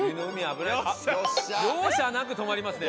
容赦なく止まりますね。